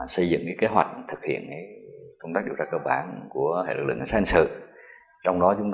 xây dựng cái kế hoạch thực hiện công tác điều tra cơ bản của hệ lực lực hành sát hành sự